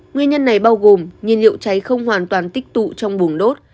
nguyên nhân này bao gồm nhiên liệu cháy không hoàn toàn tích tụ trong buồng đốt